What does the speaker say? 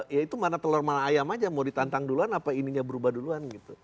ya itu mana telur mana ayam aja mau ditantang duluan apa ininya berubah duluan gitu